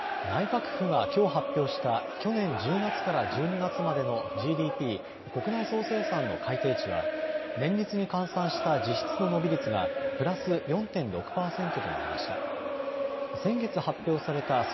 内閣府がきょう発表した去年１０月から１２月までのＧＤＰ・国内総生産の改定値は年率に換算した実質の伸び率がプラス４．６％となりました。